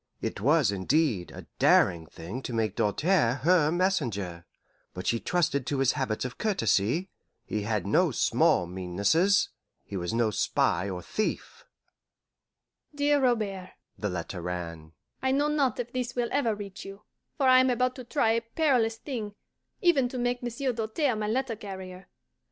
It was, indeed, a daring thing to make Doltaire her messenger. But she trusted to his habits of courtesy; he had no small meannesses he was no spy or thief. DEAR ROBERT (the letter ran): I know not if this will ever reach you, for I am about to try a perilous thing, even to make Monsieur Doltaire my letter carrier.